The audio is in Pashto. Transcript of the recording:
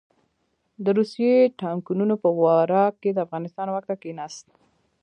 د روسي ټانګونو په ورا کې د افغانستان واک ته کښېناست.